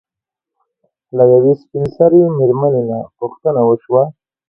له يوې سپين سري مېرمنې نه پوښتنه وشوه